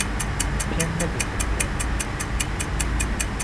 پێم نەگوتن بێن.